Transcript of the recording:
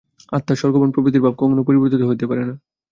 আত্মা, স্বর্গগমন প্রভৃতির ভাব কখনও পরিবর্তিত হইতে পারে না।